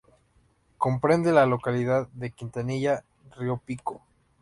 Comprende la localidad de Quintanilla-Riopico.